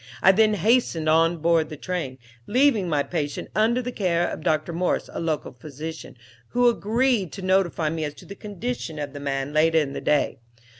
I then hastened on board the train, leaving my patient under the care of Dr. Morse, a local physician, who agreed to notify me as to the condition of the man later in the day.